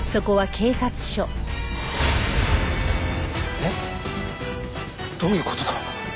えっ？どういう事だ？